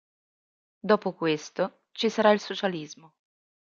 Dopo questo ci sarà il socialismo.